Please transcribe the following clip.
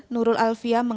dan fatih f doubled